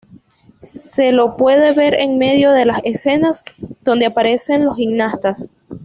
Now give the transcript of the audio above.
Se lo puede ver en medio de las escenas donde aparecen los gimnastas.